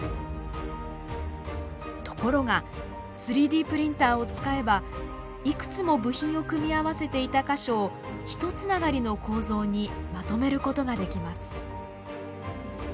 ところが３Ｄプリンターを使えばいくつも部品を組み合わせていた箇所を一つながりの構造にまとめることができます。